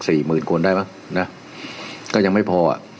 เนาะสี่หมื่นคนได้ป่ะน่ะก็ยังไม่พออ่ะ